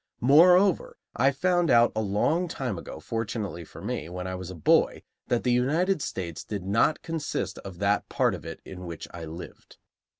Moreover, I found out, a long time ago, fortunately for me, when I was a boy, that the United States did not consist of that part of it in which I lived.